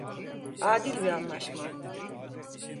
Adil bir anlaşma.